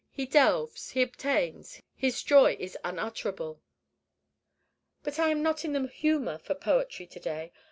He delves, he obtains, his joy is unutterable." "But I am not in the humor for poetry to day.